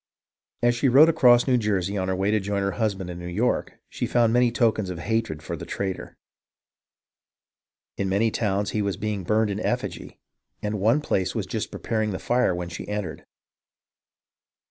As she rode across New Jersey on her way to join her husband in New York, she found many tokens of hatred for the traitor. In many towns he was being burned in effigy, and one place was just preparing the fire when she entered.